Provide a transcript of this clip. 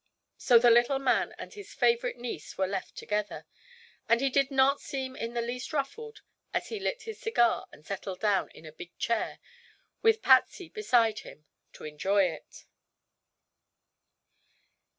So the little man and his favorite niece were left together, and he did not seem in the least ruffled as he lit his cigar and settled down in a big chair, with Patsy beside him, to enjoy it.